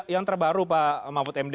yang terbaru pak mahfud md